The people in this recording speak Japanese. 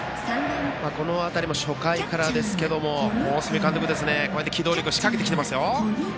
この辺りも初回からですけど大角監督、機動力しっかりかけてきてますよ。